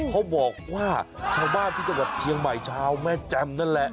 เขาบอกว่าชาวบ้านที่จังหวัดเชียงใหม่ชาวแม่แจ่มนั่นแหละ